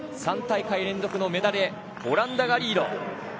３大会連続のメダルへオランダがリード。